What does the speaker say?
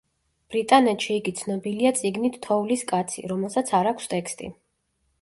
ბრიტანეთში იგი ცნობილია წიგნით „თოვლის კაცი“, რომელსაც არ აქვს ტექსტი.